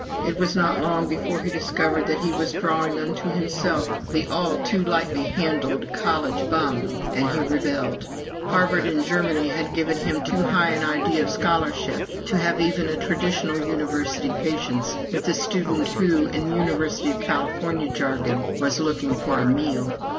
It was not long before he discovered that he was drawing unto himself the all too lightly handled "college bum," and he rebelled. Harvard and Germany had given him too high an idea of scholarship to have even a traditional university patience with the student who, in the University of California jargon, was "looking for a meal."